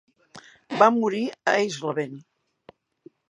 Va morir a Eisleben.